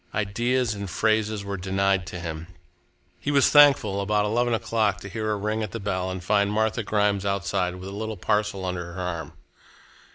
Ideas and phrases were denied to him. He was thankful, about eleven o'clock, to hear a ring at the bell and find Martha Grimes outside with a little parcel under her arm.